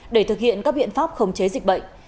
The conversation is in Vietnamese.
để thực hiện các biện pháp khống chế dịch bệnh